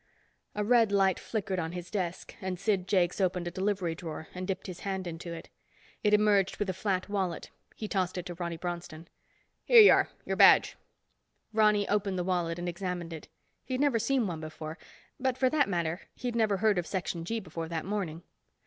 A red light flickered on his desk and Sid Jakes opened a delivery drawer and dipped his hand into it. It emerged with a flat wallet. He tossed it to Ronny Bronston. "Here you are. Your badge." Ronny opened the wallet and examined it. He'd never seen one before, but for that matter he'd never heard of Section G before that morning.